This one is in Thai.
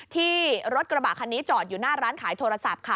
ที่รถกระบะคันนี้จอดอยู่หน้าร้านขายโทรศัพท์ค่ะ